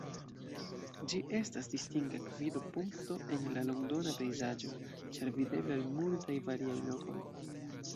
Ĝi estas distinga gvido-punkto en la londona pejzaĝo, ĉar videbla el multaj variaj lokoj.